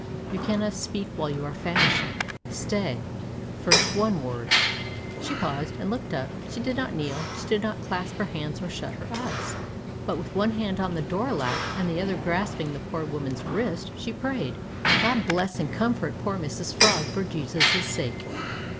You cannot speak while you are famishing. Stay, first one word " She paused and looked up. She did not kneel; she did not clasp her hands or shut her eyes, but, with one hand on the door latch, and the other grasping the poor woman's wrist, she prayed "God bless and comfort poor Mrs Frog, for Jesus' sake."